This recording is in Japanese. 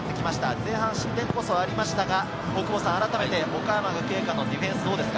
前半は失点こそありましたが、あらためて岡山学芸館のディフェンス、どうですか？